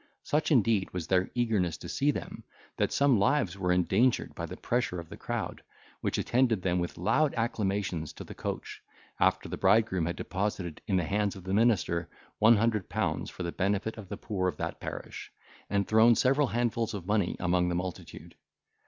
Such indeed was their eagerness to see them, that some lives were endangered by the pressure of the crowd, which attended them with loud acclamations to the coach, after the bridegroom had deposited in the hands of the minister one hundred pounds for the benefit of the poor of that parish, and thrown several handfuls of money among the multitude.